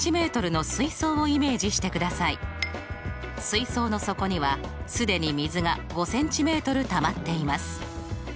水槽の底には既に水が５ｃｍたまっています。